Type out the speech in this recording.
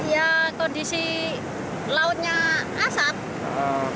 ya kondisi lautnya asap